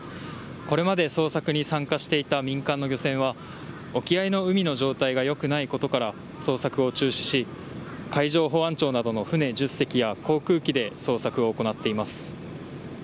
これまで捜索に参加していた民間の漁船は沖合の海の状態が良くないことから捜索を中止し海上保安庁などの船１０隻や航空機で捜索を行っています。